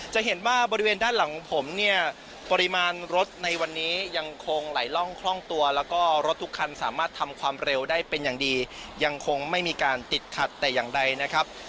จะเห็นว่าบริเวณด้านหลังของผมเนี่ยปริมาณรถในวันนี้ยังคงไหลล่องคล่องตัวแล้วก็รถทุกคันสามารถทำความเร็วได้เป็นอย่างดียังคงไม่มีการติดขัดแต่อย่างใดนะครับ